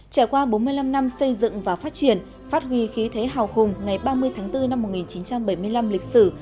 trải qua bốn mươi năm năm xây dựng và phát triển phát huy khí thế hào hùng ngày ba mươi tháng bốn năm một nghìn chín trăm bảy mươi năm lịch sử